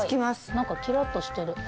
何かキラッとしてる。